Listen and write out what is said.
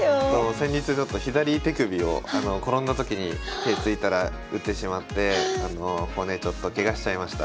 先日ちょっと左手首を転んだ時に手着いたら打ってしまって骨ちょっとケガしちゃいました。